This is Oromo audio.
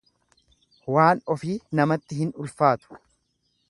Waan ofii namatti hin ulfaatu.